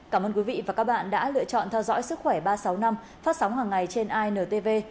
cảm ơn quý vị và các bạn đã lựa chọn theo dõi sức khỏe ba trăm sáu mươi năm phát sóng hàng ngày trên intv